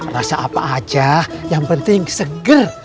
rasa apa aja yang penting seger